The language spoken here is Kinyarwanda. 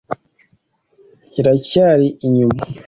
iracyari inyuma